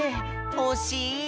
おしい。